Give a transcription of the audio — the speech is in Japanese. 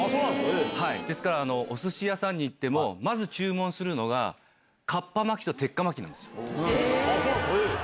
ですから、おすし屋さんに行っても、まず注文するのが、かっぱ巻きと鉄火巻きなんです。